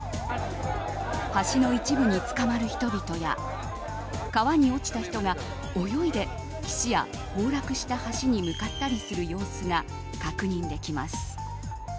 現地の映像を見ると橋の一部につかまる人々や川に落ちた人が泳いで岸や崩落した橋に向かったりする様子が確認できます。